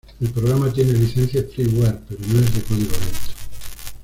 El programa tiene licencia "freeware", pero no es de código abierto.